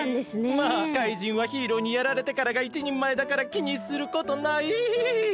まあ怪人はヒーローにやられてからがいちにんまえだからきにすることないヒン。